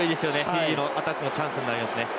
フィジーのアタックのチャンスになりますね。